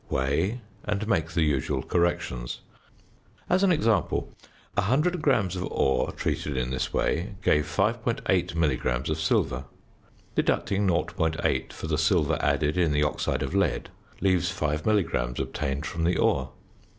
Weigh and make the usual corrections. As an example, 100 grams of ore treated in this way gave 5.8 milligrams of silver; deducting 0.8 for the silver added in the oxide of lead leaves 5 milligrams obtained from the ore.